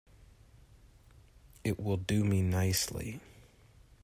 It will do me nicely.